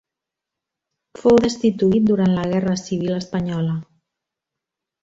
Fou destituït durant la guerra civil espanyola.